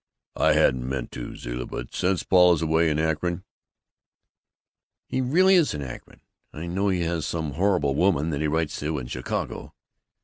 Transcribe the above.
I hadn't meant to, Zilla, but since Paul is away, in Akron " "He really is in Akron? I know he has some horrible woman that he writes to in Chicago."